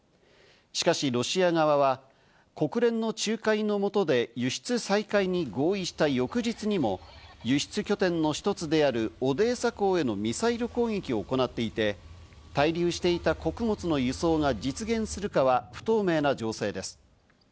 しかしロシア側は国連の仲介の下で輸出再開に合意した翌日にも、輸出拠点の一つであるオデーサ港へのミサイル攻撃を行っていて、滞留していた穀物の輸送が実現するかは不透明な情勢です。